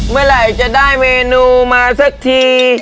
เมื่อไหร่จะได้เมนูมาสักที